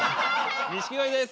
錦鯉です。